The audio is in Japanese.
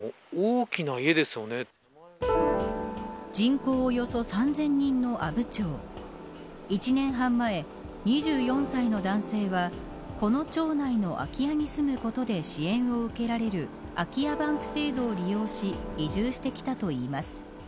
結構、築年数はたっているんでしょうけれども人口およそ３０００人の阿武町１年半前、２４歳の男性はこの町内の空き家に住むことで支援を受けられる空き家バンク制度を利用し移住してきたといいます。